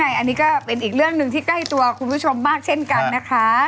อันนี้ก็เป็นอีกเรื่องหนึ่งที่ใกล้ตัวคุณผู้ชมมากเช่นกันนะคะ